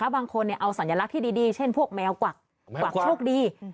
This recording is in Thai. บางคนเอาสัญลักษณ์ที่ดีเช่นพวกแมวกวักกวักโชคดี